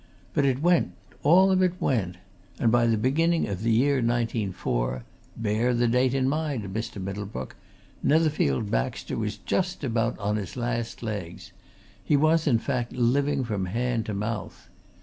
But it went all of it went! and by the beginning of the year 1904 bear the date in mind, Mr. Middlebrook Netherfield Baxter was just about on his last legs he was, in fact, living from hand to mouth.